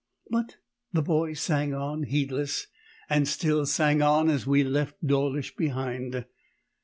But the boy sang on heedless, and still sang on as we left Dawlish behind.